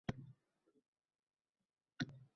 Hamma meni tushundimi